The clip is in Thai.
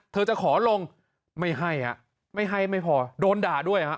เธอจะขอลงไม่ให้ไม่ให้ไม่พอโดนด่าด้วยฮะ